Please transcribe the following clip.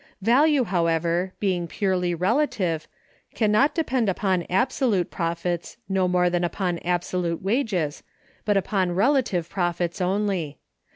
Value, however, being purely relative, can not depend upon absolute profits, no more than upon absolute wages, but upon relative profits only.